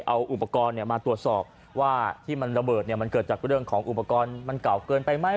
เอาอุปกรณ์มาตรวจสอบว่าที่มันระเบิดมันเกิดจากเรื่องของอุปกรณ์มันเก่าเกินไปไหม